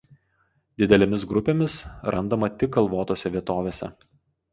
Didelėmis grupėmis randama tik kalvotose vietovėse.